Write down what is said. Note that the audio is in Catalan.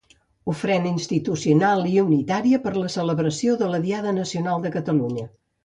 Ofrena institucional i unitària per la celebració de la Diada Nacional de Catalunya.